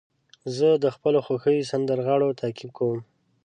زه د خپلو خوښې سندرغاړو تعقیب کوم.